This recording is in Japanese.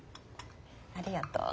ありがとう。